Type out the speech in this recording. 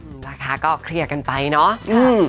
อืมราคาก็เครียดกันไปเนาะ